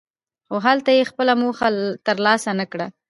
خو هلته یې خپله موخه ترلاسه نکړه.